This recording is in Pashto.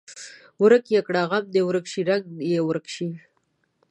ورک یې کړه غم دې ورک شي رنګ دې یې ورک شي.